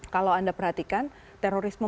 kalau anda perhatikan terorisme